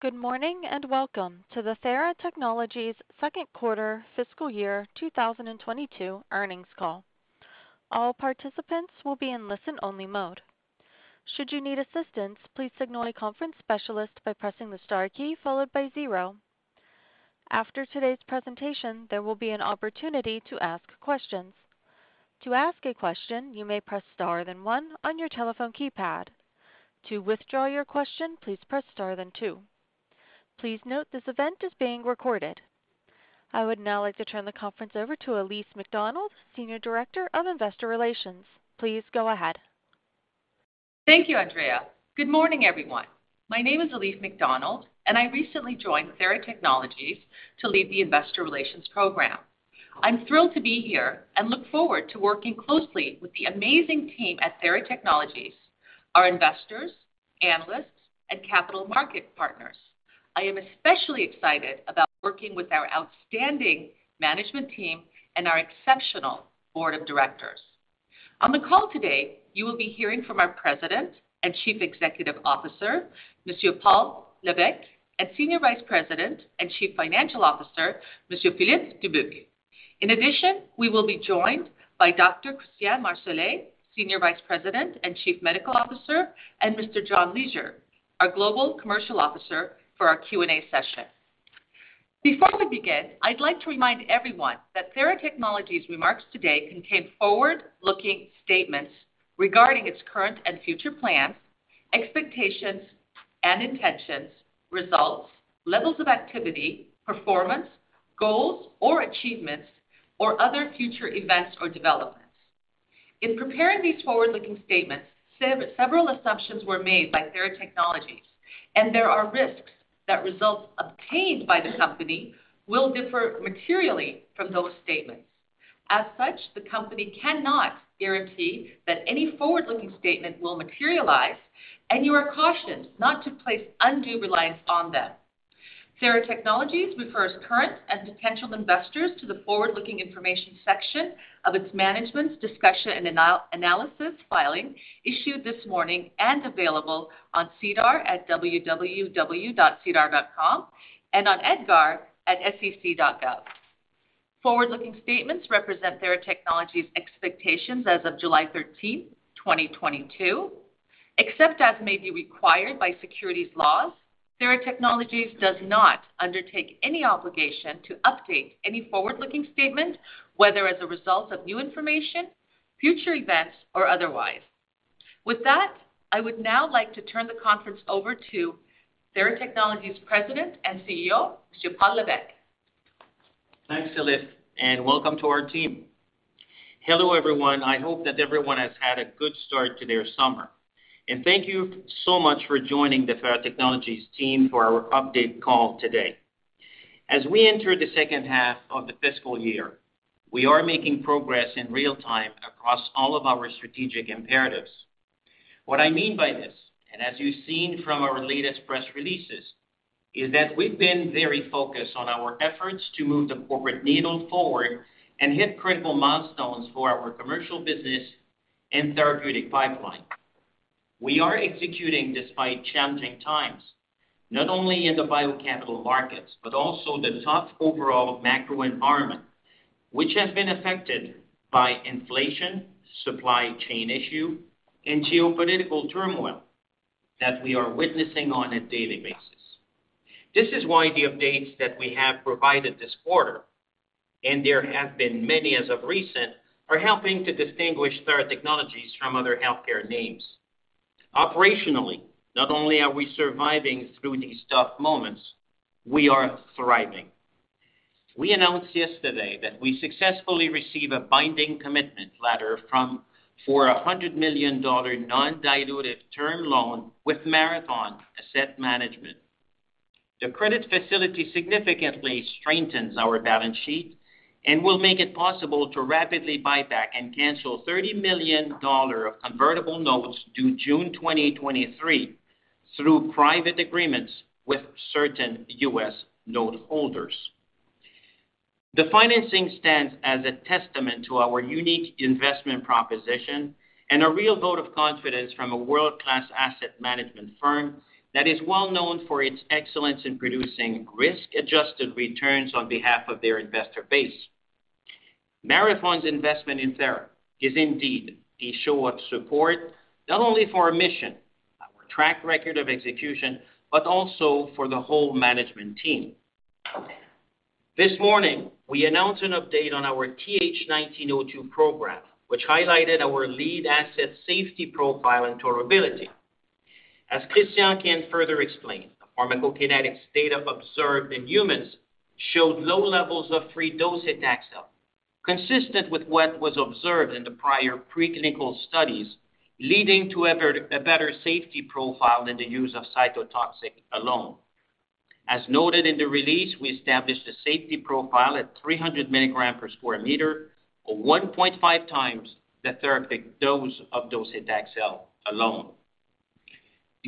Good morning, and welcome to the Theratechnologies second quarter fiscal year 2022 earnings call. All participants will be in listen-only mode. Should you need assistance, please signal a conference specialist by pressing the star key followed by zero. After today's presentation, there will be an opportunity to ask questions. To ask a question, you may press star then one on your telephone keypad. To withdraw your question, please press star then two. Please note this event is being recorded. I would now like to turn the conference over to Elif McDonald, Senior Director of Investor Relations. Please go ahead. Thank you, Andrea. Good morning, everyone. My name is Elif McDonald, and I recently joined Theratechnologies to lead the investor relations program. I'm thrilled to be here and look forward to working closely with the amazing team at Theratechnologies, our investors, analysts, and capital market partners. I am especially excited about working with our outstanding management team and our exceptional board of directors. On the call today, you will be hearing from our President and Chief Executive Officer, Monsieur Paul Lévesque, and Senior Vice President and Chief Financial Officer, Monsieur Philippe Dubuc. In addition, we will be joined by Dr. Christian Marsolais, Senior Vice President and Chief Medical Officer, and Mr. John Leasure, our Global Commercial Officer, for our Q&A session. Before we begin, I'd like to remind everyone that Theratechnologies remarks today contain forward-looking statements regarding its current and future plans, expectations and intentions, results, levels of activity, performance, goals or achievements, or other future events or developments. In preparing these forward-looking statements, several assumptions were made by Theratechnologies, and there are risks that results obtained by the company will differ materially from those statements. As such, the company cannot guarantee that any forward-looking statement will materialize, and you are cautioned not to place undue reliance on them. Theratechnologies refers current and potential investors to the forward-looking information section of its management's discussion and analysis filing issued this morning and available on SEDAR at www.sedar.com and on EDGAR at sec.gov. Forward-looking statements represent Theratechnologies expectations as of July 13, 2022. Except as may be required by securities laws, Theratechnologies does not undertake any obligation to update any forward-looking statement, whether as a result of new information, future events, or otherwise. With that, I would now like to turn the conference over to Theratechnologies President and Chief Executive Officer, Monsieur Paul Lévesque. Thanks, Elif, and welcome to our team. Hello, everyone. I hope that everyone has had a good start to their summer. Thank you so much for joining the Theratechnologies team for our update call today. As we enter the second half of the fiscal year, we are making progress in real time across all of our strategic imperatives. What I mean by this, and as you've seen from our latest press releases, is that we've been very focused on our efforts to move the corporate needle forward and hit critical milestones for our commercial business and therapeutic pipeline. We are executing despite challenging times, not only in the biocapital markets, but also the tough overall macro environment, which has been affected by inflation, supply chain issues, and geopolitical turmoil that we are witnessing on a daily basis. This is why the updates that we have provided this quarter, and there have been many as of recent, are helping to distinguish Theratechnologies from other healthcare names. Operationally, not only are we surviving through these tough moments, we are thriving. We announced yesterday that we successfully received a binding commitment letter for a $100 million non-dilutive term loan with Marathon Asset Management. The credit facility significantly strengthens our balance sheet and will make it possible to rapidly buy back and cancel $30 million of convertible notes due June 2023 through private agreements with certain U.S. note holders. The financing stands as a testament to our unique investment proposition and a real vote of confidence from a world-class asset management firm that is well known for its excellence in producing risk-adjusted returns on behalf of their investor base. Marathon Asset Management's investment in Theratechnologies is indeed a show of support, not only for our mission, our track record of execution, but also for the whole management team. This morning, we announced an update on our TH1902 program, which highlighted our lead asset safety profile and tolerability. As Christian can further explain, the pharmacokinetic data observed in humans showed low levels of free docetaxel, consistent with what was observed in the prior preclinical studies, leading to a better safety profile than the use of cytotoxic alone. As noted in the release, we established a safety profile at 300 milligrams per square meter, or 1.5 times the therapeutic dose of docetaxel alone.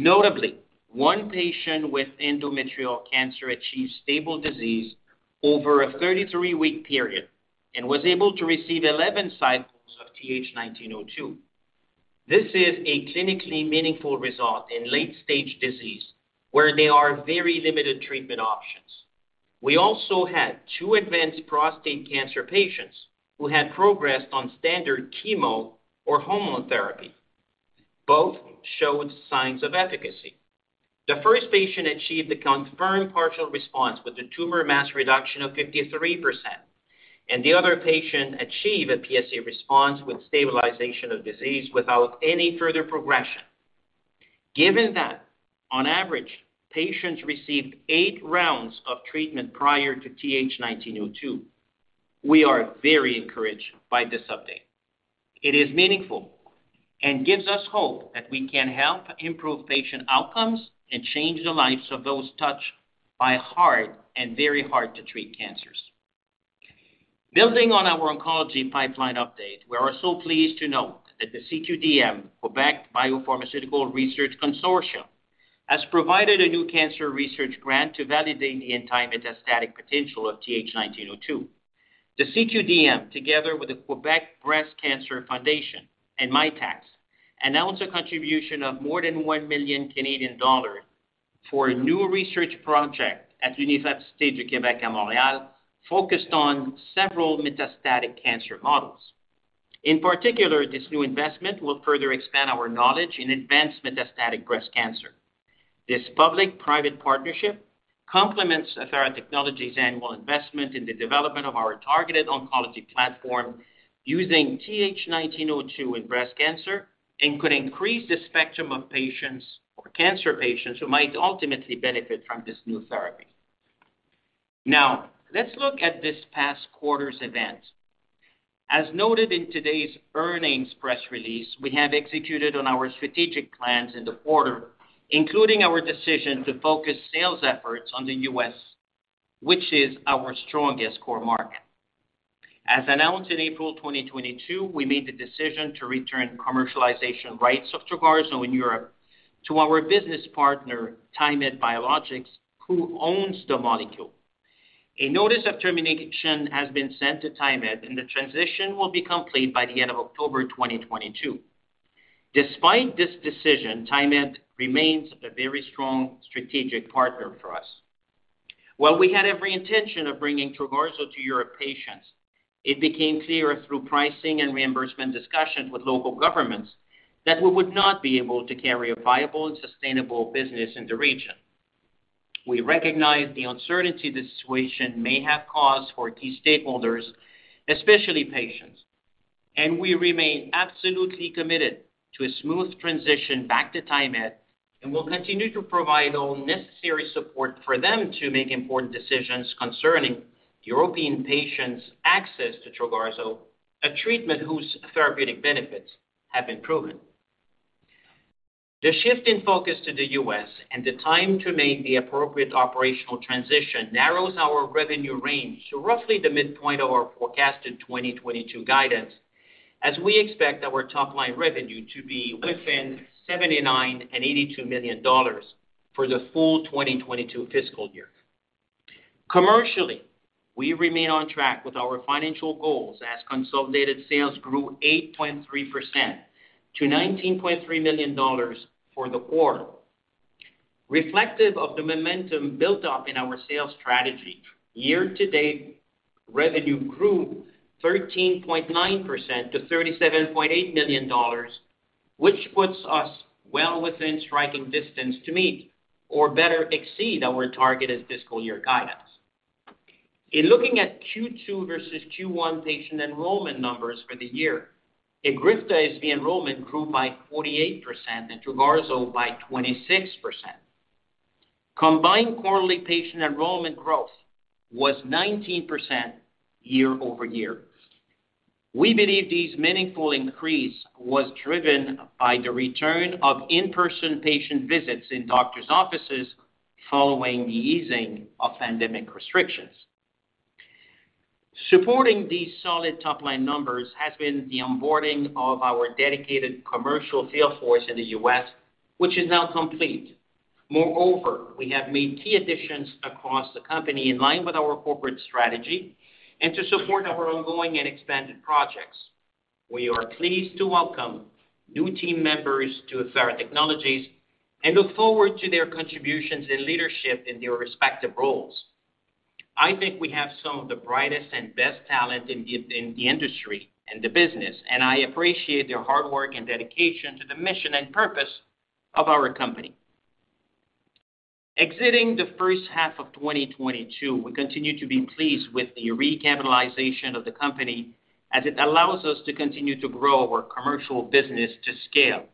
Notably, one patient with endometrial cancer achieved stable disease over a 33-week period and was able to receive 11 cycles of TH1902. This is a clinically meaningful result in late-stage disease where there are very limited treatment options. We also had two advanced prostate cancer patients who had progressed on standard chemo or hormone therapy. Both showed signs of efficacy. The first patient achieved a confirmed partial response with a tumor mass reduction of 53%, and the other patient achieved a PSA response with stabilization of disease without any further progression. Given that on average, patients received eight rounds of treatment prior to TH1902, we are very encouraged by this update. It is meaningful and gives us hope that we can help improve patient outcomes and change the lives of those touched by hard and very hard to treat cancers. Building on our oncology pipeline update, we are also pleased to note that the CQDM, Quebec Biopharmaceutical Research Consortium, has provided a new cancer research grant to validate the anti-metastatic potential of TH1902. The CQDM, together with the Quebec Breast Cancer Foundation and Mitacs, announced a contribution of more than 1 million Canadian dollars for a new research project at Université du Québec à Montréal focused on several metastatic cancer models. In particular, this new investment will further expand our knowledge in advanced metastatic breast cancer. This public-private partnership complements Theratechnologies' annual investment in the development of our targeted oncology platform using TH1902 in breast cancer and could increase the spectrum of patients or cancer patients who might ultimately benefit from this new therapy. Now, let's look at this past quarter's events. As noted in today's earnings press release, we have executed on our strategic plans in the quarter, including our decision to focus sales efforts on the U.S., which is our strongest core market. As announced in April 2022, we made the decision to return commercialization rights of Trogarzo in Europe to our business partner, TaiMed Biologics, who owns the molecule. A notice of termination has been sent to TaiMed, and the transition will be complete by the end of October 2022. Despite this decision, TaiMed remains a very strong strategic partner for us. While we had every intention of bringing Trogarzo to Europe patients, it became clearer through pricing and reimbursement discussions with local governments that we would not be able to carry a viable and sustainable business in the region. We recognize the uncertainty this situation may have caused for key stakeholders, especially patients, and we remain absolutely committed to a smooth transition back to TaiMed and will continue to provide all necessary support for them to make important decisions concerning European patients' access to Trogarzo, a treatment whose therapeutic benefits have been proven. The shift in focus to the U.S. and the time to make the appropriate operational transition narrows our revenue range to roughly the midpoint of our forecasted 2022 guidance, as we expect our top line revenue to be within $79 million-$82 million for the full 2022 fiscal year. Commercially, we remain on track with our financial goals as consolidated sales grew 8.3% to $19.3 million for the quarter. Reflective of the momentum built up in our sales strategy, year-to-date revenue grew 13.9% to $37.8 million, which puts us well within striking distance to meet or better exceed our targeted fiscal year guidance. In looking at Q2 versus Q1 patient enrollment numbers for the year, EGRIFTA's enrollment grew by 48% and Trogarzo by 26%. Combined quarterly patient enrollment growth was 19% year-over-year. We believe this meaningful increase was driven by the return of in-person patient visits in doctor's offices following the easing of pandemic restrictions. Supporting these solid top-line numbers has been the onboarding of our dedicated commercial field force in the U.S., which is now complete. Moreover, we have made key additions across the company in line with our corporate strategy and to support our ongoing and expanded projects. We are pleased to welcome new team members to Theratechnologies and look forward to their contributions and leadership in their respective roles. I think we have some of the brightest and best talent in the industry and the business, and I appreciate their hard work and dedication to the mission and purpose of our company. Exiting the first half of 2022, we continue to be pleased with the recapitalization of the company as it allows us to continue to grow our commercial business to scale.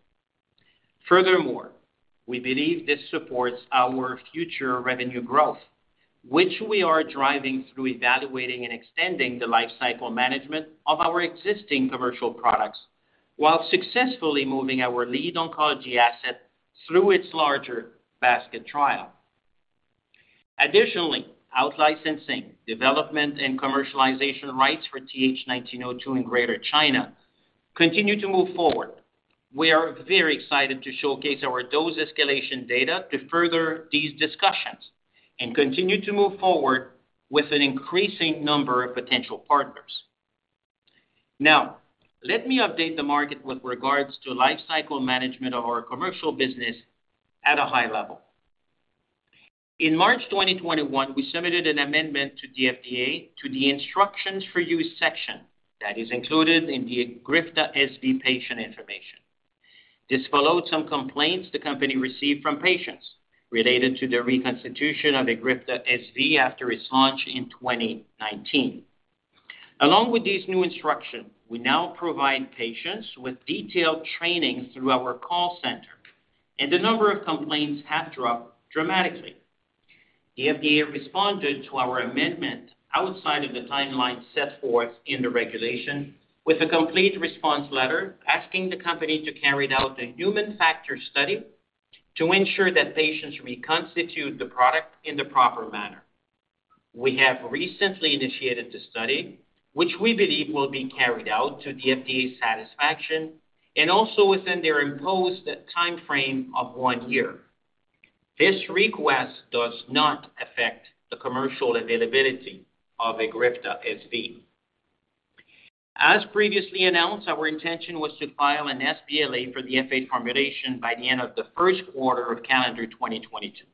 Furthermore, we believe this supports our future revenue growth, which we are driving through evaluating and extending the lifecycle management of our existing commercial products while successfully moving our lead oncology asset through its larger basket trial. Additionally, out-licensing, development, and commercialization rights for TH1902 in Greater China continue to move forward. We are very excited to showcase our dose escalation data to further these discussions. Continue to move forward with an increasing number of potential partners. Now, let me update the market with regards to lifecycle management of our commercial business at a high level. In March 2021, we submitted an amendment to the FDA to the instructions for use section that is included in the EGRIFTA SV patient information. This followed some complaints the company received from patients related to the reconstitution of EGRIFTA SV after its launch in 2019. Along with these new instructions, we now provide patients with detailed training through our call center, and the number of complaints has dropped dramatically. The FDA responded to our amendment outside of the timeline set forth in the regulation with a complete response letter asking the company to carry out a human factor study to ensure that patients reconstitute the product in the proper manner. We have recently initiated the study, which we believe will be carried out to the FDA's satisfaction and also within their imposed timeframe of one year. This request does not affect the commercial availability of EGRIFTA SV. As previously announced, our intention was to file an sBLA for the F8 formulation by the end of the first quarter of calendar 2022.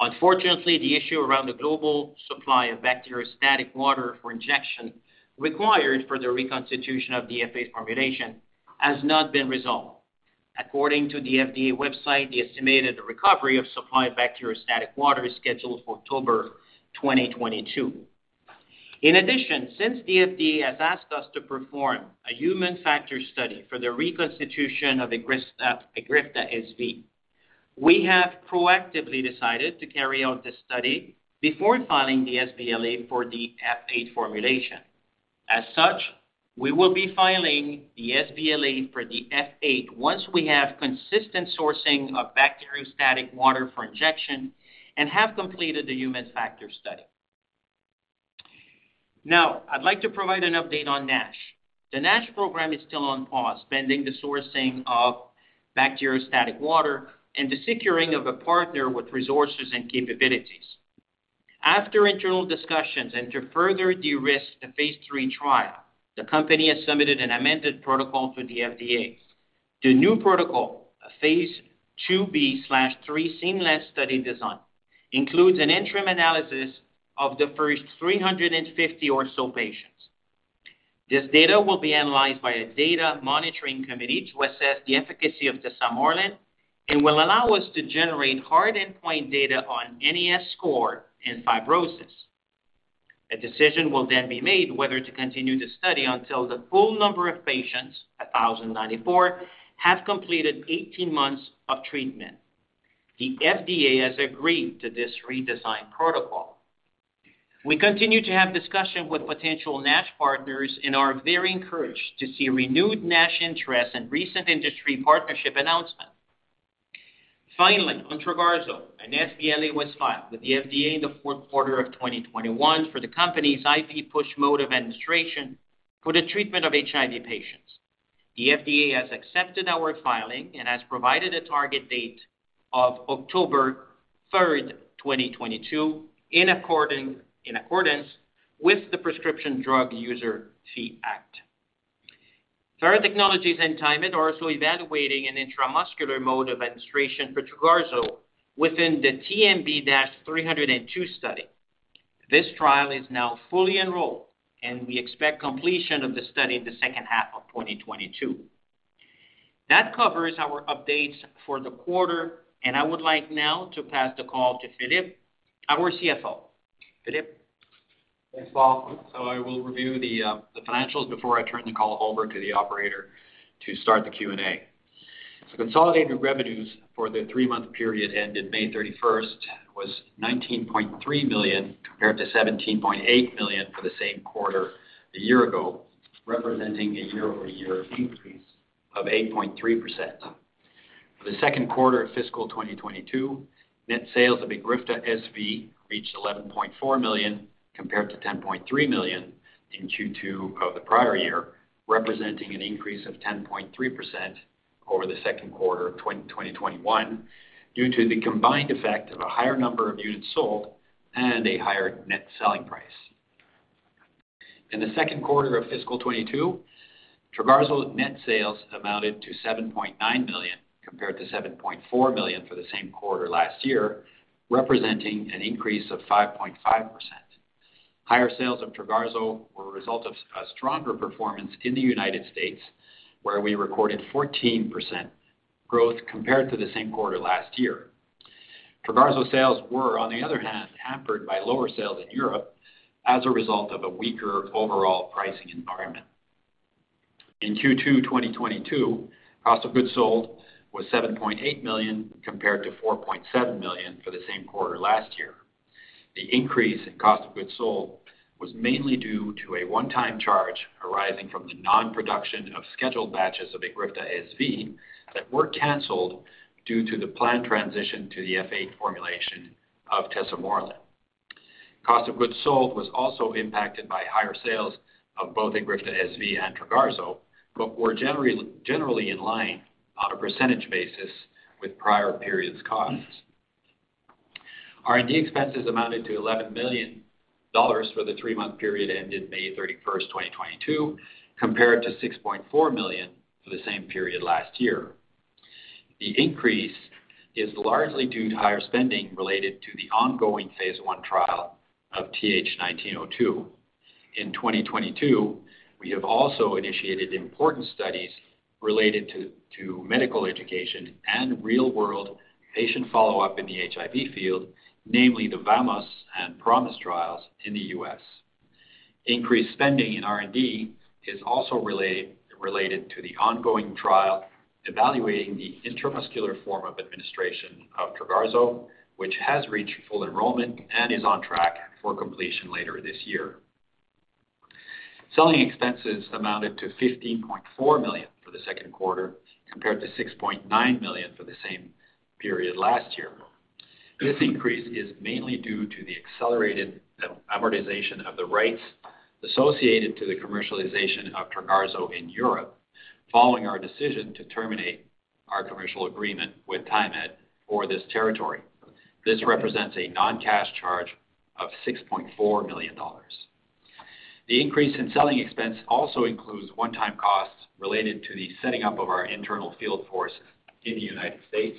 Unfortunately, the issue around the global supply of bacteriostatic water for injection required for the reconstitution of the F8 formulation has not been resolved. According to the FDA website, the estimated recovery of supply bacteriostatic water is scheduled for October 2022. In addition, since the FDA has asked us to perform a human factor study for the reconstitution of EGRIFTA SV, we have proactively decided to carry out this study before filing the sBLA for the F8 formulation. As such, we will be filing the sBLA for the F8 once we have consistent sourcing of bacteriostatic water for injection and have completed the human factor study. Now, I'd like to provide an update on NASH. The NASH program is still on pause pending the sourcing of bacteriostatic water and the securing of a partner with resources and capabilities. After internal discussions and to further de-risk the phase III trial, the company has submitted an amended protocol to the FDA. The new protocol, a phase II-B/III seamless study design, includes an interim analysis of the first 350 or so patients. This data will be analyzed by a data monitoring committee to assess the efficacy of tesamorelin and will allow us to generate hard endpoint data on NAS score and fibrosis. A decision will then be made whether to continue the study until the full number of patients, 1,094, have completed 18 months of treatment. The FDA has agreed to this redesigned protocol. We continue to have discussion with potential NASH partners and are very encouraged to see renewed NASH interest and recent industry partnership announcement. Finally, on Trogarzo, an sBLA was filed with the FDA in the fourth quarter of 2021 for the company's IV push mode of administration for the treatment of HIV patients. The FDA has accepted our filing and has provided a target date of October third, 2022, in accordance with the Prescription Drug User Fee Act. Theratechnologies and TaiMed are also evaluating an intramuscular mode of administration for Trogarzo within the TMB-302 study. This trial is now fully enrolled, and we expect completion of the study in the second half of 2022. That covers our updates for the quarter, and I would like now to pass the call to Philippe, our CFO. Philippe? Thanks, Paul. I will review the financials before I turn the call over to the operator to start the Q&A. Consolidated revenues for the three-month period ended May 31st was $19.3 million compared to $17.8 million for the same quarter a year ago, representing a year-over-year increase of 8.3%. For the second quarter of fiscal 2022, net sales of EGRIFTA SV reached $11.4 million compared to $10.3 million in Q2 of the prior year, representing an increase of 10.3% over the second quarter of 2022, due to the combined effect of a higher number of units sold and a higher net selling price. In the second quarter of fiscal 2022, Trogarzo net sales amounted to $7.9 million compared to $7.4 million for the same quarter last year, representing an increase of 5.5%. Higher sales of Trogarzo were a result of a stronger performance in the United States, where we recorded 14% growth compared to the same quarter last year. Trogarzo sales were, on the other hand, hampered by lower sales in Europe as a result of a weaker overall pricing environment. In Q2 2022, cost of goods sold was $7.8 million compared to $4.7 million for the same quarter last year. The increase in cost of goods sold was mainly due to a one-time charge arising from the non-production of scheduled batches of EGRIFTA SV that were canceled due to the planned transition to the F8 formulation of tesamorelin. Cost of goods sold was also impacted by higher sales of both EGRIFTA SV and Trogarzo, but were generally in line on a percentage basis with prior periods costs. R&D expenses amounted to $11 million for the three-month period ended May 31st, 2022, compared to $6.4 million for the same period last year. The increase is largely due to higher spending related to the ongoing phase I trial of TH1902. In 2022, we have also initiated important studies related to medical education and real-world patient follow-up in the HIV field, namely the VAMOS and PROMISE trials in the US. Increased spending in R&D is also related to the ongoing trial evaluating the intramuscular form of administration of Trogarzo, which has reached full enrollment and is on track for completion later this year. Selling expenses amounted to $15.4 million for the second quarter, compared to $6.9 million for the same period last year. This increase is mainly due to the accelerated amortization of the rights associated to the commercialization of Trogarzo in Europe following our decision to terminate our commercial agreement with TaiMed for this territory. This represents a non-cash charge of $6.4 million. The increase in selling expense also includes one-time costs related to the setting up of our internal field force in the United States,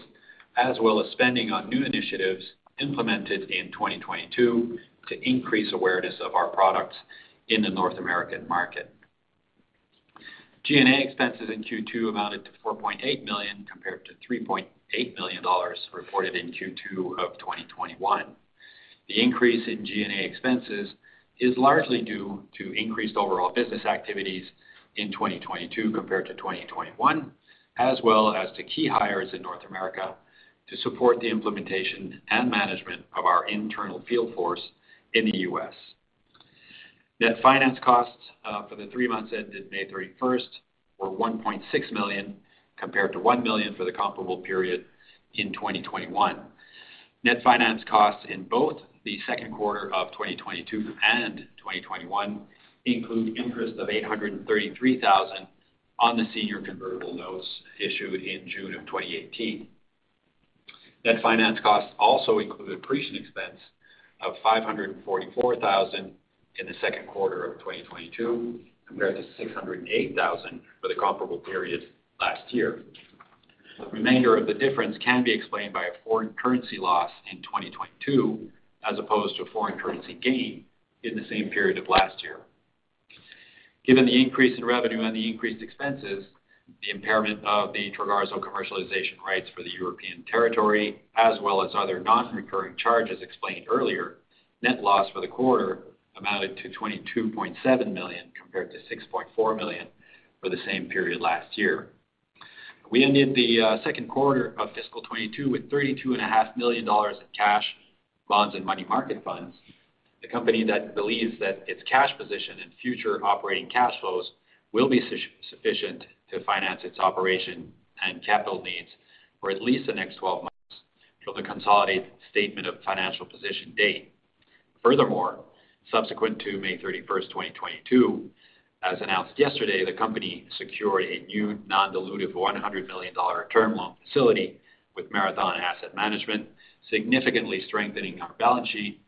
as well as spending on new initiatives implemented in 2022 to increase awareness of our products in the North American market. G&A expenses in Q2 amounted to $4.8 million compared to $3.8 million reported in Q2 of 2021. The increase in G&A expenses is largely due to increased overall business activities in 2022 compared to 2021, as well as to key hires in North America to support the implementation and management of our internal field force in the US. Net finance costs for the three months ended May 31st were $1.6 million compared to $1 million for the comparable period in 2021. Net finance costs in both the second quarter of 2022 and 2021 include interest of $833,000 on the senior convertible notes issued in June of 2018. Net finance costs also include depreciation expense of $544 thousand in the second quarter of 2022, compared to $608 thousand for the comparable period last year. The remainder of the difference can be explained by a foreign currency loss in 2022 as opposed to a foreign currency gain in the same period of last year. Given the increase in revenue and the increased expenses, the impairment of the Trogarzo commercialization rights for the European territory, as well as other non-recurring charges explained earlier, net loss for the quarter amounted to $22.7 million compared to $6.4 million for the same period last year. We ended the second quarter of fiscal 2022 with $32.5 million in cash, bonds, and money market funds. The company believes that its cash position and future operating cash flows will be sufficient to finance its operations and capital needs for at least the next 12 months from the consolidated statement of financial position date. Furthermore, subsequent to May 31st, 2022, as announced yesterday, the company secured a new non-dilutive $100 million term loan facility with Marathon Asset Management, significantly strengthening our balance sheet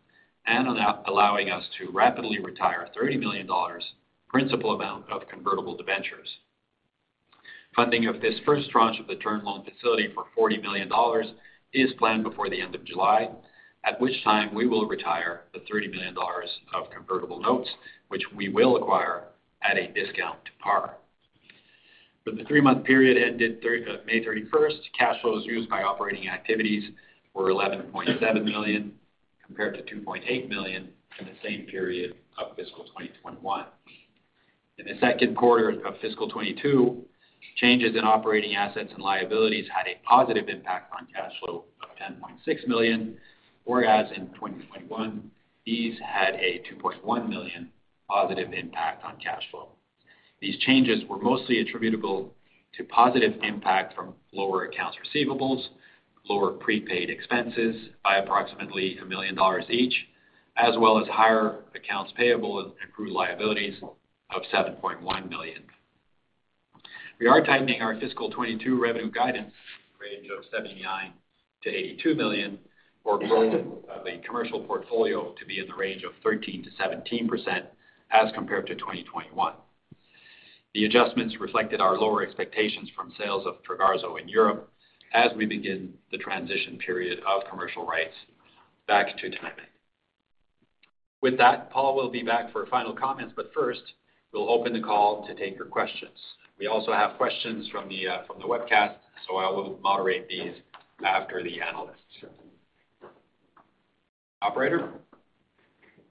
and allowing us to rapidly retire $30 million principal amount of convertible debentures. Funding of this first tranche of the term loan facility for $40 million is planned before the end of July, at which time we will retire the $30 million of convertible notes, which we will acquire at a discount to par. For the three-month period ended May 31st, cash flows used by operating activities were $11.7 million compared to $2.8 million in the same period of fiscal 2021. In the second quarter of fiscal 2022, changes in operating assets and liabilities had a positive impact on cash flow of $10.6 million, whereas in 2021, these had a $2.1 million positive impact on cash flow. These changes were mostly attributable to positive impact from lower accounts receivables, lower prepaid expenses by approximately $1 million each, as well as higher accounts payable and accrued liabilities of $7.1 million. We are tightening our fiscal 2022 revenue guidance range of $79 million-$82 million for growth of the commercial portfolio to be in the range of 13%-17% as compared to 2021. The adjustments reflected our lower expectations from sales of Trogarzo in Europe as we begin the transition period of commercial rights back to TaiMed. With that, Paul will be back for final comments, but first, we'll open the call to take your questions. We also have questions from the webcast, so I will moderate these after the analysts. Operator?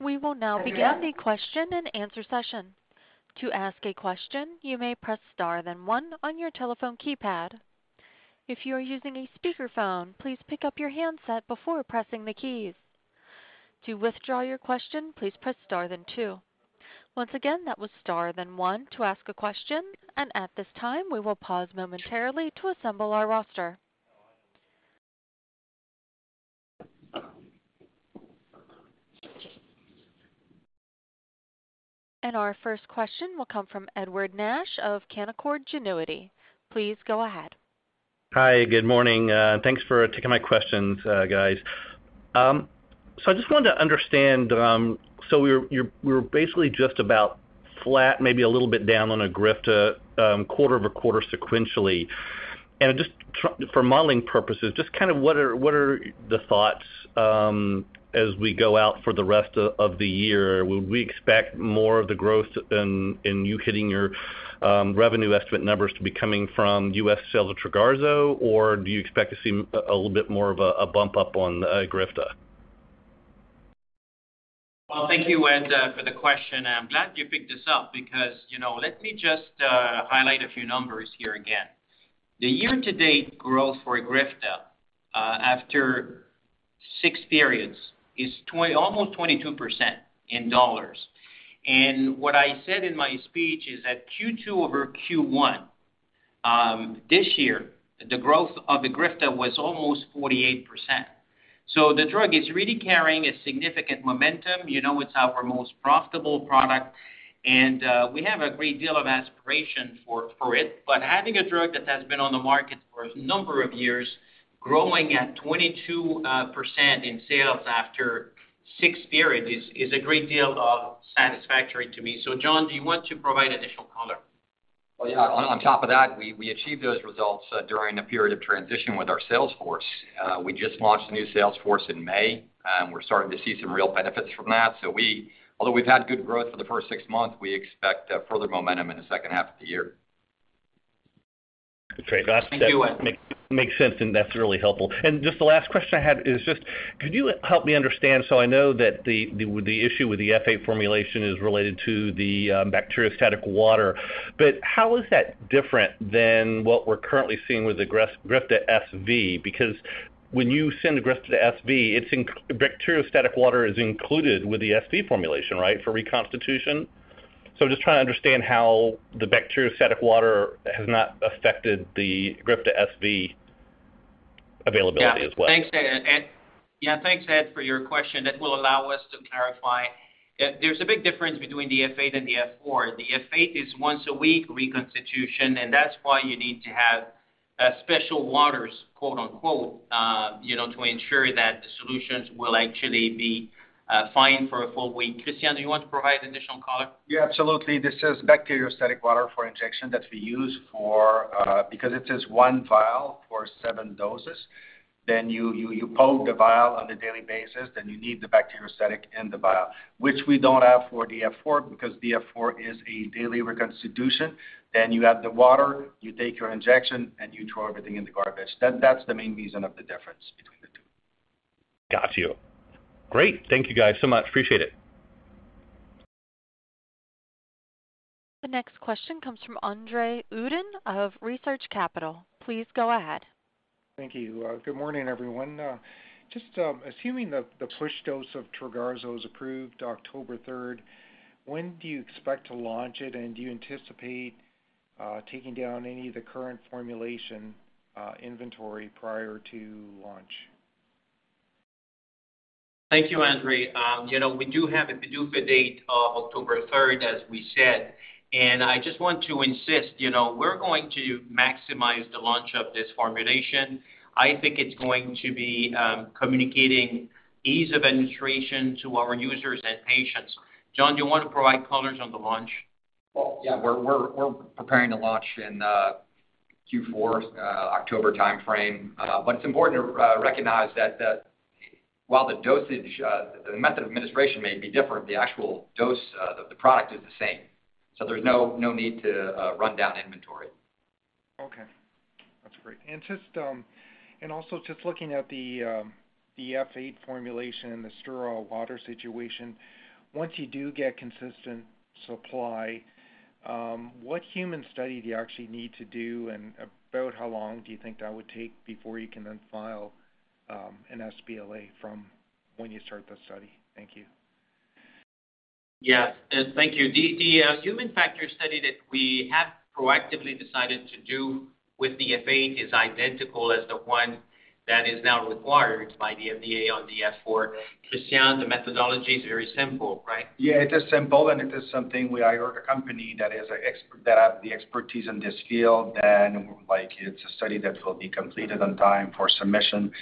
We will now begin the question and answer session. To ask a question, you may press star then one on your telephone keypad. If you are using a speakerphone, please pick up your handset before pressing the keys. To withdraw your question, please press star then two. Once again, that was star then one to ask a question. At this time, we will pause momentarily to assemble our roster. Our first question will come from Edward Nash of Canaccord Genuity. Please go ahead. Hi, good morning. Thanks for taking my questions, guys. I just wanted to understand, so we're basically just about flat, maybe a little bit down on EGRIFTA, quarter-over-quarter sequentially. For modeling purposes, just kind of what are the thoughts, as we go out for the rest of the year? Would we expect more of the growth in you hitting your revenue estimate numbers to be coming from U.S. sales of Trogarzo? Or do you expect to see a little bit more of a bump up on EGRIFTA? Well, thank you, Ed, for the question. I'm glad you picked this up because, you know, let me just highlight a few numbers here again. The year-to-date growth for EGRIFTA after six periods is almost 22% in dollars. What I said in my speech is that Q2 over Q1 this year, the growth of EGRIFTA was almost 48%. The drug is really carrying a significant momentum. You know, it's our most profitable product, and we have a great deal of aspiration for it. Having a drug that has been on the market for a number of years growing at 22% in sales after six periods is a great deal of satisfaction to me. John, do you want to provide additional color? Well, yeah, on top of that, we achieved those results during a period of transition with our sales force. We just launched a new sales force in May. We're starting to see some real benefits from that. Although we've had good growth for the first six months, we expect further momentum in the second half of the year. Great. Thank you, Ed. That makes sense, and that's really helpful. Just the last question I had is just could you help me understand? I know that the issue with the F8 formulation is related to the bacteriostatic water. But how is that different than what we're currently seeing with EGRIFTA SV? Because when you send EGRIFTA SV, bacteriostatic water is included with the SV formulation, right, for reconstitution? I'm just trying to understand how the bacteriostatic water has not affected the EGRIFTA SV availability as well. Thanks, Ed, for your question. That will allow us to clarify. There's a big difference between the F8 and the F4. The F8 is once a week reconstitution, and that's why you need to have special waters, quote-unquote, you know, to ensure that the solutions will actually be fine for a full week. Christian, do you want to provide additional color? Yeah, absolutely. This is bacteriostatic water for injection that we use for because it is one vial for seven doses. Then you poke the vial on a daily basis, then you need the bacteriostatic in the vial, which we don't have for the F4 because the F4 is a daily reconstitution. Then you have the water, you take your injection, and you throw everything in the garbage. That's the main reason of the difference between the two. Got you. Great. Thank you guys so much. Appreciate it. The next question comes from Andre Uddin of Research Capital. Please go ahead. Thank you. Good morning, everyone. Just assuming the push dose of Trogarzo is approved October 3rd, when do you expect to launch it? And do you anticipate taking down any of the current formulation inventory prior to launch? Thank you, Andre. You know, we do have a PDUFA date of October 3rd, as we said, and I just want to insist, you know, we're going to maximize the launch of this formulation. I think it's going to be communicating ease of administration to our users and patients. John, do you want to provide color on the launch? Well, yeah, we're preparing to launch in Q4, October timeframe. It's important to recognize that while the dosage, the method of administration may be different, the actual dose of the product is the same. There's no need to run down inventory. Okay. That's great. Just looking at the F8 formulation and the sterile water situation, once you do get consistent supply, what human study do you actually need to do? About how long do you think that would take before you can then file an sBLA from when you start the study? Thank you. Yes. Thank you. The human factor study that we have proactively decided to do with the F8 is identical as the one that is now required by the FDA on the F4. Christian, the methodology is very simple, right? Yeah, it is simple, and it is something we hire a company that has the expertise in this field, and like it's a study that will be completed on time for submission.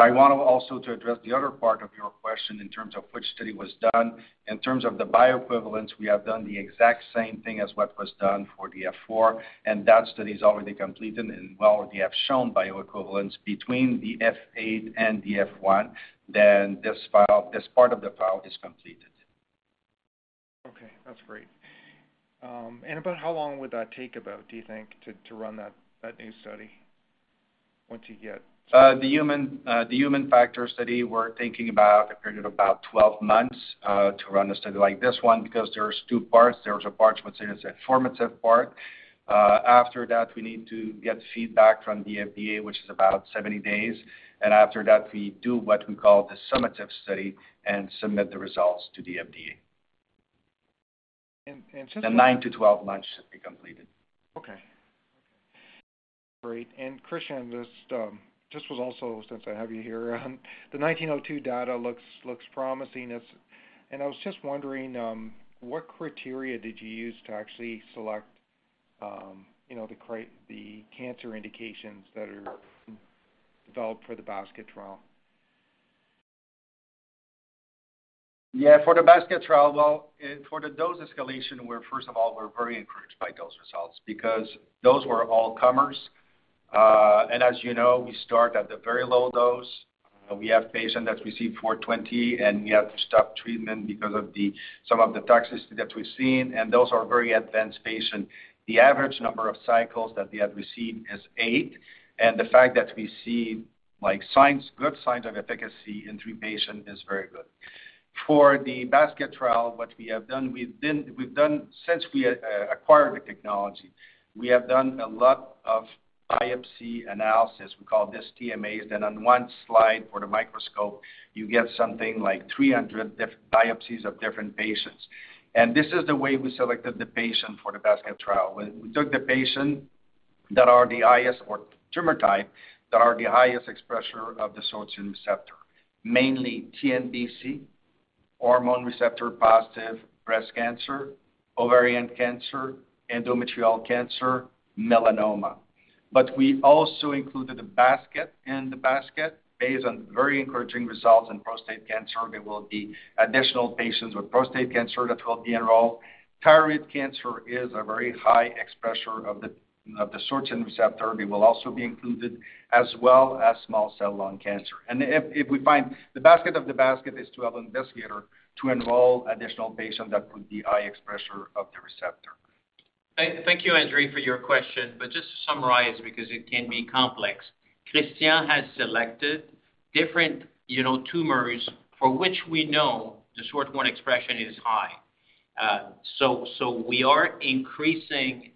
I want to also address the other part of your question in terms of which study was done. In terms of the bioequivalence, we have done the exact same thing as what was done for the F4, and that study is already completed and already has shown bioequivalence between the F8 and the F1. This file, this part of the file is completed. Okay, that's great. About how long would that take about, do you think, to run that new study once you get- The human factor study, we're thinking about a period of about 12 months to run a study like this one, because there's two parts. There's a part which is a formative part. After that, we need to get feedback from the FDA, which is about 70 days. After that, we do what we call the summative study and submit the results to the FDA. And, and since- The 9-12 months should be completed. Okay. Great. Christian, just wanted to also, since I have you here, the TH1902 data looks promising. It's. I was just wondering what criteria did you use to actually select, you know, the cancer indications that are developed for the basket trial? For the basket trial, for the dose escalation, we're first of all very encouraged by those results because those were all comers. As you know, we start at the very low dose. We have patients that received 420, and we have to stop treatment because of some of the toxicity that we've seen, and those are very advanced patients. The average number of cycles that they have received is eight. The fact that we see like signs, good signs of efficacy in three patients is very good. For the basket trial, what we have done, since we acquired the technology, we have done a lot of biopsy analysis. We call this TMAs. Then on one slide for the microscope, you get something like 300 biopsies of different patients. This is the way we selected the patient for the basket trial. We took the patient that are the highest expressing tumor type, that are the highest expression of the sortilin receptor, mainly TNBC, hormone receptor-positive breast cancer, ovarian cancer, endometrial cancer, melanoma. We also included a basket in the basket based on very encouraging results in prostate cancer. There will be additional patients with prostate cancer that will be enrolled. Thyroid cancer is a very high expression of the sortilin receptor. They will also be included as well as small cell lung cancer. If we find the basket of the basket is to have investigator to enroll additional patients that would be high expressor of the receptor. Thank you, Andre, for your question. Just to summarize, because it can be complex, Christian has selected different, you know, tumors for which we know the SORT1 expression is high. We are increasing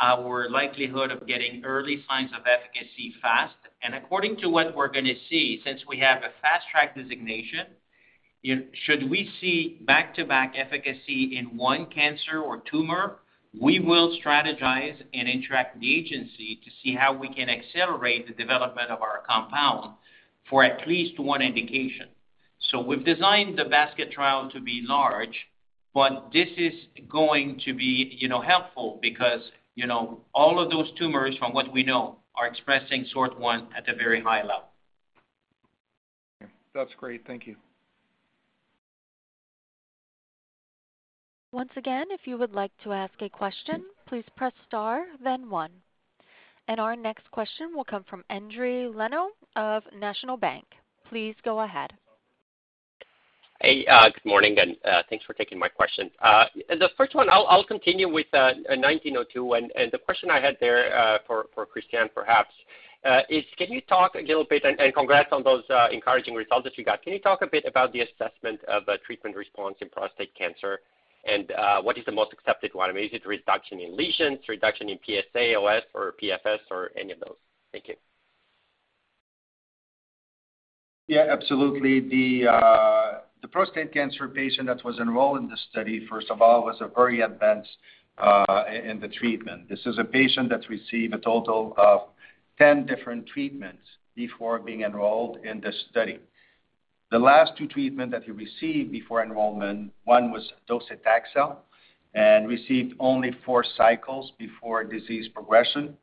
our likelihood of getting early signs of efficacy fast. According to what we're gonna see, since we have a fast track designation, you know, should we see back-to-back efficacy in one cancer or tumor, we will strategize and interact with the agency to see how we can accelerate the development of our compound for at least one indication. We've designed the basket trial to be large, but this is going to be, you know, helpful because, you know, all of those tumors, from what we know, are expressing SORT1 at a very high level. That's great. Thank you. Once again, if you would like to ask a question, please press Star, then one. Our next question will come from Endri Leno of National Bank. Please go ahead. Hey, good morning, and thanks for taking my question. The first one I'll continue with TH1902. The question I had there for Christian perhaps is can you talk a little bit. Congrats on those encouraging results that you got. Can you talk a bit about the assessment of the treatment response in prostate cancer and what is the most accepted one? I mean, is it reduction in lesions, reduction in PSA, OS or PFS or any of those? Thank you. Yeah, absolutely. The prostate cancer patient that was enrolled in this study, first of all, was a very advanced in the treatment. This is a patient that received a total of 10 different treatments before being enrolled in this study. The last two treatment that he received before enrollment, one was docetaxel, and received only four cycles before disease progression.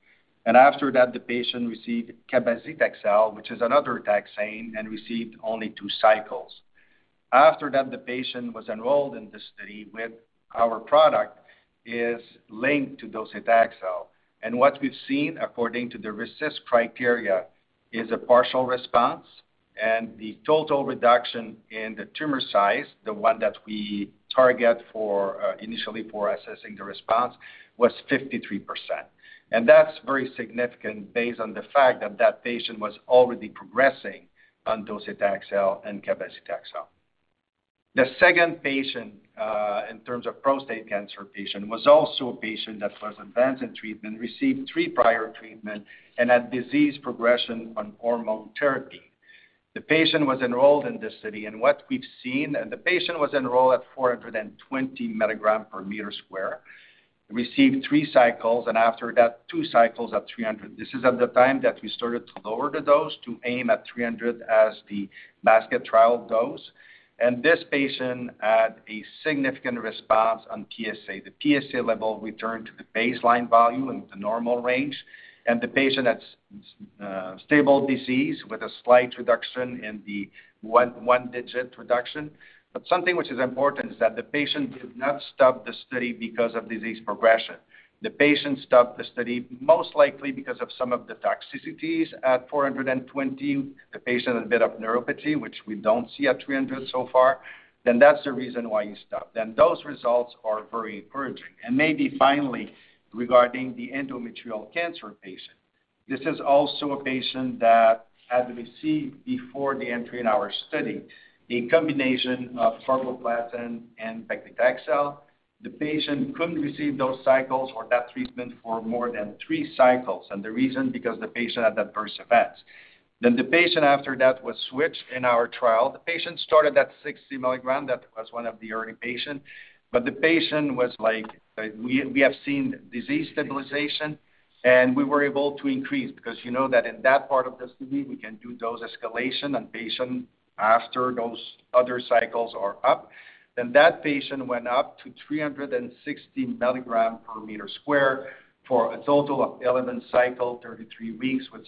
After that, the patient received cabazitaxel, which is another taxane, and received only two cycles. After that, the patient was enrolled in the study with our product is linked to docetaxel. What we've seen according to the RECIST criteria is a partial response, and the total reduction in the tumor size, the one that we target for initially for assessing the response, was 53%. That's very significant based on the fact that that patient was already progressing on docetaxel and cabazitaxel. The second patient in terms of prostate cancer patient was also a patient that was advanced in treatment, received three prior treatment, and had disease progression on hormone therapy. The patient was enrolled in this study at 420 mg/m², received three cycles, and after that two cycles at 300. This is at the time that we started to lower the dose to aim at 300 as the basket trial dose. This patient had a significant response on PSA. The PSA level returned to the baseline volume in the normal range. The patient had stable disease with a slight reduction in the one-digit reduction. Something which is important is that the patient did not stop the study because of disease progression. The patient stopped the study, most likely because of some of the toxicities at 420. The patient had a bit of neuropathy, which we don't see at 300 so far. That's the reason why he stopped. Those results are very encouraging. Maybe finally, regarding the endometrial cancer patient. This is also a patient that had received before the entry in our study, a combination of carboplatin and paclitaxel. The patient couldn't receive those cycles or that treatment for more than three cycles. The reason, because the patient had adverse events. The patient after that was switched in our trial. The patient started at 60 milligrams. That was one of the early patients. The patient was like, we have seen disease stabilization, and we were able to increase because you know that in that part of the study, we can do dose escalation on patient after those other cycles are up. That patient went up to 360 milligram per square meter for a total of 11 cycle, 33 weeks with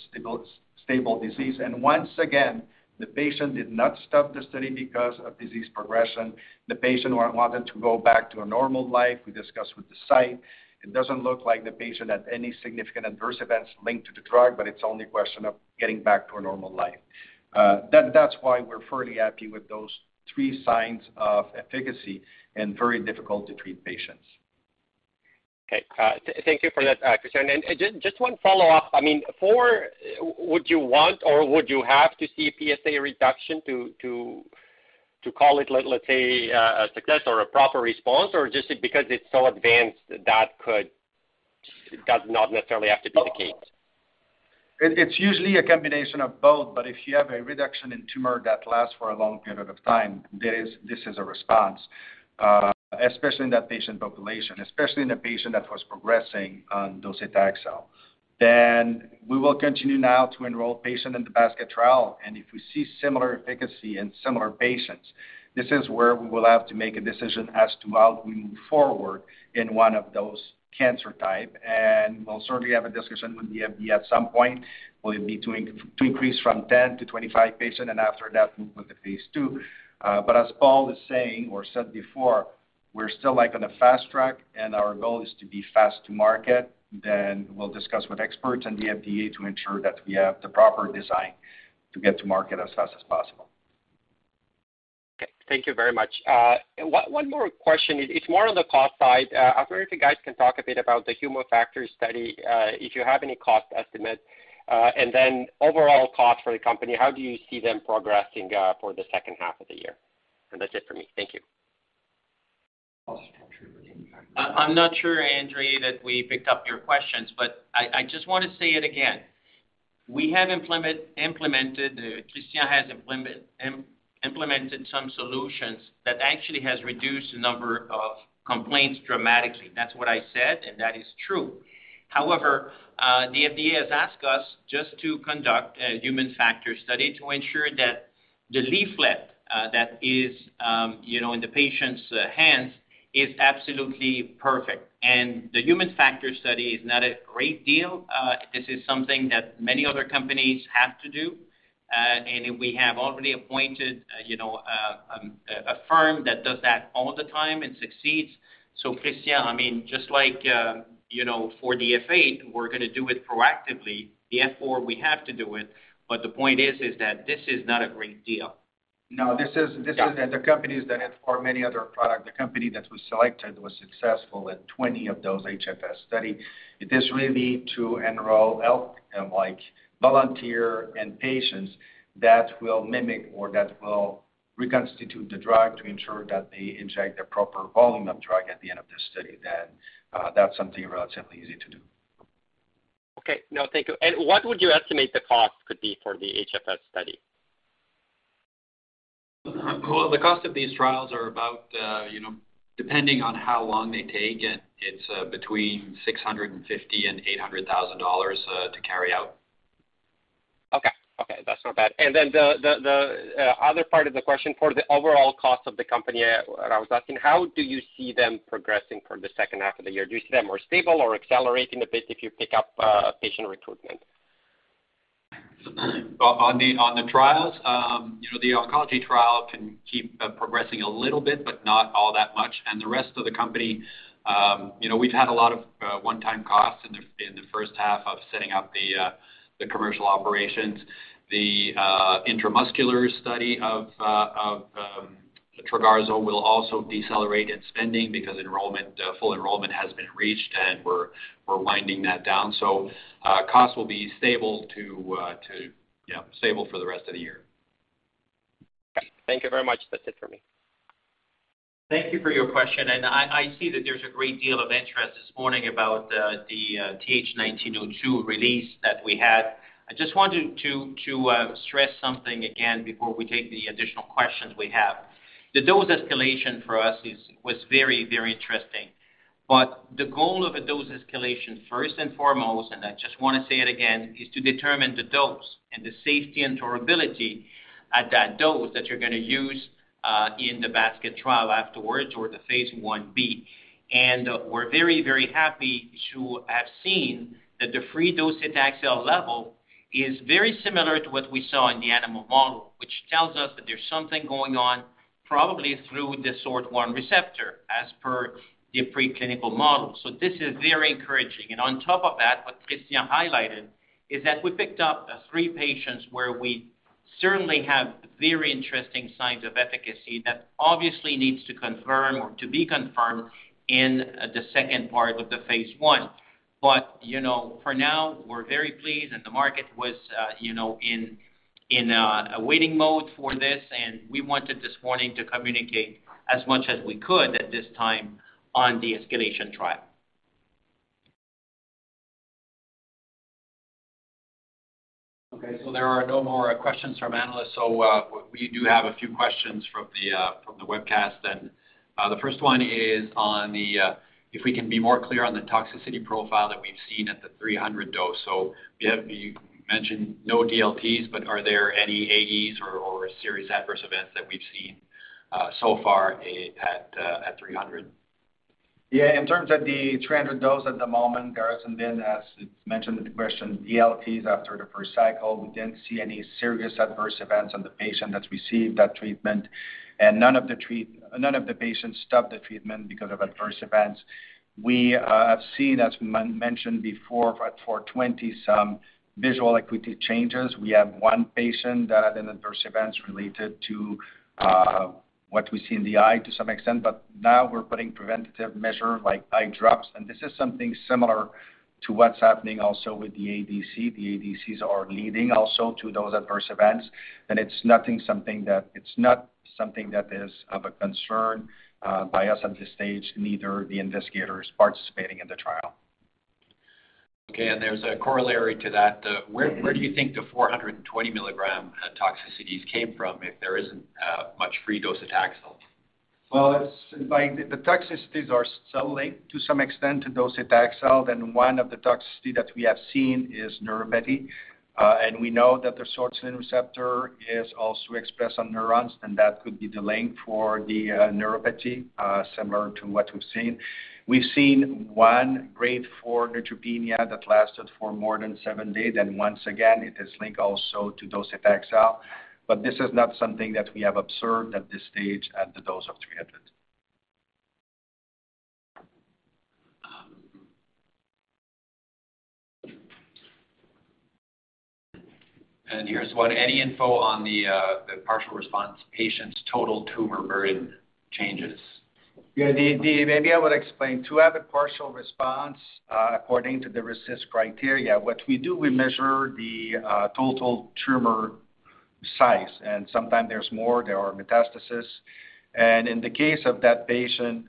stable disease. Once again, the patient did not stop the study because of disease progression. The patient wanted to go back to a normal life. We discussed with the site. It doesn't look like the patient had any significant adverse events linked to the drug, but it's only a question of getting back to a normal life. That's why we're fairly happy with those three signs of efficacy in very difficult to treat patients. Okay. Thank you for that, Christian. Just one follow-up. I mean, would you want or would you have to see PSA reduction to call it, let's say, a success or a proper response, or just because it's so advanced does not necessarily have to be the case? It's usually a combination of both, but if you have a reduction in tumor that lasts for a long period of time, this is a response, especially in that patient population, especially in a patient that was progressing on docetaxel. We will continue now to enroll patients in the basket trial, and if we see similar efficacy in similar patients, this is where we will have to make a decision as to how we move forward in one of those cancer types. We'll certainly have a discussion with the FDA at some point, will it be to increase from 10 to 25 patients and after that, move on to phase II. As Paul is saying or said before, we're still like on a Fast Track and our goal is to be fast to market. We'll discuss with experts and the FDA to ensure that we have the proper design to get to market as fast as possible. Okay, thank you very much. One more question. It's more on the cost side. I wonder if you guys can talk a bit about the human factor study, if you have any cost estimate, and then overall cost for the company, how do you see them progressing, for the second half of the year? That's it for me. Thank you. I'm not sure, Andre, that we picked up your questions, but I just want to say it again. We have implemented, Christian has implemented some solutions that actually has reduced the number of complaints dramatically. That's what I said, and that is true. However, the FDA has asked us just to conduct a human factor study to ensure that the leaflet that is, you know, in the patient's hands is absolutely perfect. The human factor study is not a great deal. This is something that many other companies have to do. We have already appointed, you know, a firm that does that all the time and succeeds. Christian, I mean, just like, you know, for F8, we're gonna do it proactively. The F4, we have to do it. The point is that this is not a great deal. No, this is. Yeah. The companies that have for many other products, the company that was selected was successful in 20 of those HFS studies. It is really easy to enroll healthy and, like, volunteers and patients that will mix or that will reconstitute the drug to ensure that they inject the proper volume of drug at the end of the study. That's something relatively easy to do. Okay. No, thank you. What would you estimate the cost could be for the HFS study? The cost of these trials are about, you know, depending on how long they take, it's between $650,000 and $800,000 to carry out. Okay. Okay, that's not bad. The other part of the question for the overall cost of the company, I was asking, how do you see them progressing for the second half of the year? Do you see them more stable or accelerating a bit if you pick up patient recruitment? On the trials, you know, the oncology trial can keep progressing a little bit, but not all that much. The rest of the company, you know, we've had a lot of one-time costs in the first half of setting up the commercial operations. The intramuscular study of Trogarzo will also decelerate in spending because full enrollment has been reached, and we're winding that down. Costs will be stable to stable for the rest of the year. Okay. Thank you very much. That's it for me. Thank you for your question. I see that there's a great deal of interest this morning about the TH1902 release that we had. I just wanted to stress something again before we take the additional questions we have. The dose escalation for us was very, very interesting. The goal of a dose escalation, first and foremost, and I just wanna say it again, is to determine the dose and the safety and tolerability at that dose that you're gonna use in the basket trial afterwards or the phase I-B. We're very, very happy to have seen that the free docetaxel level is very similar to what we saw in the animal model, which tells us that there's something going on probably through the SORT1 receptor as per the preclinical model. This is very encouraging. On top of that, what Christian highlighted is that we picked up three patients where we certainly have very interesting signs of efficacy that obviously needs to confirm or to be confirmed in the second part of the phase I. You know, for now, we're very pleased and the market was, you know, in a waiting mode for this, and we wanted this morning to communicate as much as we could at this time on the escalation trial. Okay. There are no more questions from analysts. We do have a few questions from the webcast. The first one is on if we can be more clear on the toxicity profile that we've seen at the 300 dose. You mentioned no DLTs, but are there any AEs or serious adverse events that we've seen so far at 300? Yeah. In terms of the 300 dose at the moment, there hasn't been, as it's mentioned in the question, DLTs after the first cycle. We didn't see any serious adverse events on the patient that's received that treatment. None of the patients stopped the treatment because of adverse events. We have seen, as mentioned before, at 420 some visual acuity changes. We have one patient that had an adverse events related to what we see in the eye to some extent, but now we're putting preventative measure like eye drops. This is something similar to what's happening also with the ADC. The ADCs are leading also to those adverse events, and it's not something that is of a concern by us at this stage, neither the investigators participating in the trial. Okay. There's a corollary to that. Mm-hmm. Where do you think the 420 milligram toxicities came from if there isn't much free docetaxel? It's like the toxicities are so linked to some extent to docetaxel, then one of the toxicity that we have seen is neuropathy. We know that the sortilin receptor is also expressed on neurons, and that could be the link for the neuropathy, similar to what we've seen. We've seen one grade four neutropenia that lasted for more than seven days. Once again, it is linked also to docetaxel. This is not something that we have observed at this stage at the dose of 300. Here's one. Any info on the partial response patient's total tumor burden changes? Yeah. Maybe I will explain. To have a partial response, according to the RECIST criteria, what we do, we measure the total tumor size, and sometimes there's more, there are metastases. In the case of that patient,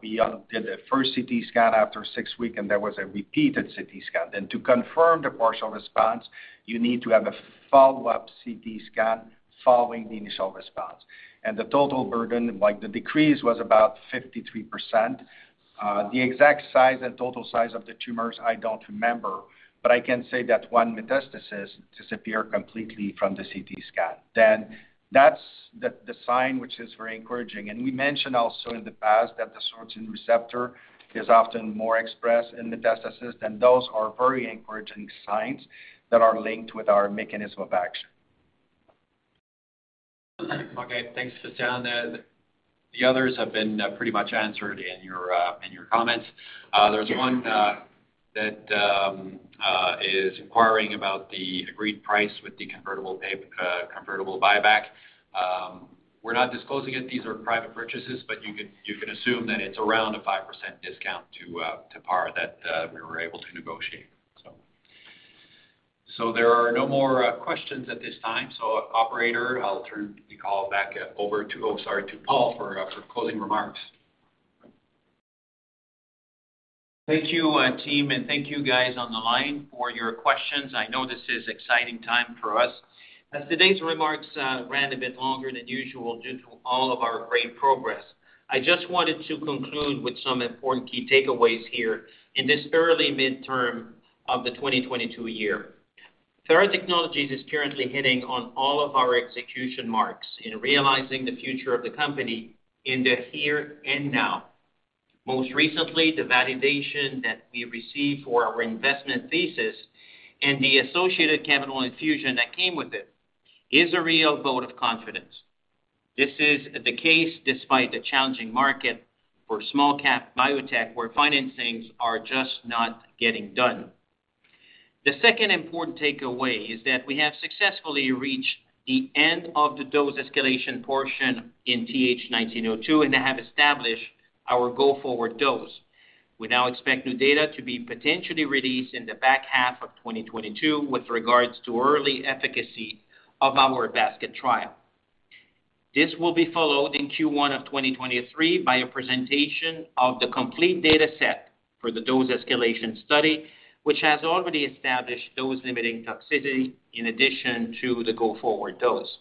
we did a first CT scan after six weeks, and there was a repeated CT scan. To confirm the partial response, you need to have a follow-up CT scan following the initial response. The total burden, like the decrease was about 53%. The exact size and total size of the tumors, I don't remember, but I can say that one metastasis disappeared completely from the CT scan. That's the sign which is very encouraging. We mentioned also in the past that the sortilin receptor is often more expressed in metastasis, and those are very encouraging signs that are linked with our mechanism of action. Okay. Thanks, Christian. The others have been pretty much answered in your comments. There's one that is inquiring about the agreed price with the convertible buyback. We're not disclosing it. These are private purchases. But you can assume that it's around a 5% discount to par that we were able to negotiate. So there are no more questions at this time. Operator, I'll turn the call back over to Paul for closing remarks. Thank you, team, and thank you guys on the line for your questions. I know this is exciting time for us. As today's remarks ran a bit longer than usual due to all of our great progress, I just wanted to conclude with some important key takeaways here in this early midterm of the 2022 year. Theratechnologies is currently hitting on all of our execution marks in realizing the future of the company in the here and now. Most recently, the validation that we received for our investment thesis and the associated capital infusion that came with it is a real vote of confidence. This is the case despite the challenging market for small cap biotech, where financings are just not getting done. The second important takeaway is that we have successfully reached the end of the dose escalation portion in TH1902, and they have established our go-forward dose. We now expect new data to be potentially released in the back half of 2022 with regards to early efficacy of our basket trial. This will be followed in Q1 of 2023 by a presentation of the complete data set for the dose escalation study, which has already established dose-limiting toxicity in addition to the go-forward dose.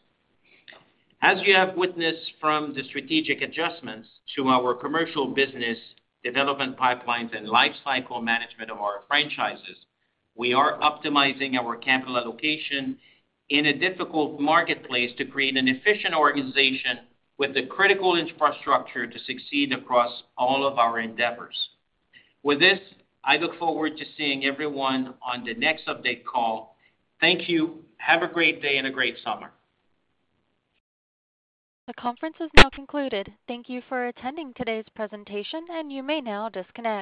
As you have witnessed from the strategic adjustments to our commercial business development pipelines and lifecycle management of our franchises, we are optimizing our capital allocation in a difficult marketplace to create an efficient organization with the critical infrastructure to succeed across all of our endeavors. With this, I look forward to seeing everyone on the next update call. Thank you. Have a great day and a great summer. The conference is now concluded. Thank you for attending today's presentation, and you may now disconnect.